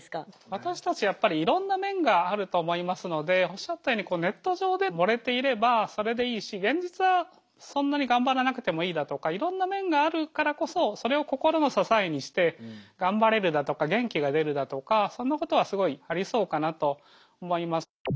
私たちやっぱりいろんな面があると思いますのでおっしゃったようにネット上で盛れていればそれでいいし現実はそんなに頑張らなくてもいいだとかいろんな面があるからこそそれを心の支えにして頑張れるだとか元気が出るだとかそんなことはすごいありそうかなと思います。